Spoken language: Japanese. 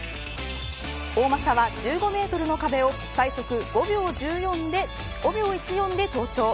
大政は１５メートルの壁を最速５秒１４で登頂。